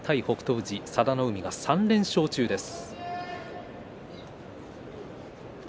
富士佐田の海は３連勝中です。